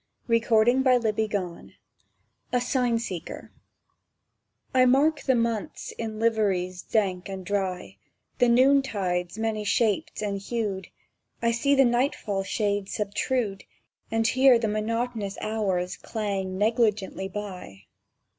[Picture: Sketch of comet] A SIGN SEEKER I MARK the months in liveries dank and dry, The noontides many shaped and hued; I see the nightfall shades subtrude, And hear the monotonous hours clang negligently by.